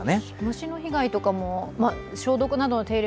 虫の被害とかも消毒などの手入れ